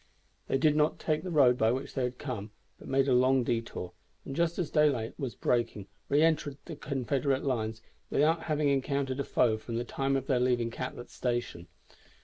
They did not take the road by which they had come, but made a long detour, and just as daylight was breaking re entered the Confederate lines without having encountered a foe from the time of their leaving Catlet's Station.